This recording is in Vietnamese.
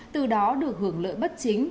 từ đó được hưởng lợi bất chính